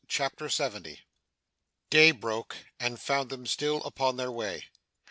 CHAPTER 70 Day broke, and found them still upon their way.